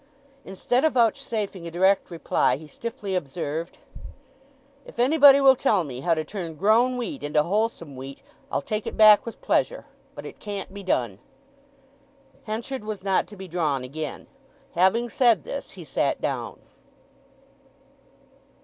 Instead of vouchsafing a direct reply, he stiffly observed— "If anybody will tell me how to turn grown wheat into wholesome wheat I'll take it back with pleasure. But it can't be done." Henchard was not to be drawn again. Having said this, he sat down.